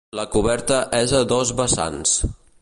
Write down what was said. La coberta és a dos vessants.